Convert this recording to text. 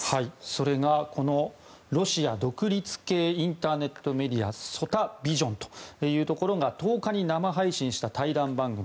それがロシア独立系インターネットメディアソタビジョンというところが１０日に生配信した対談番組。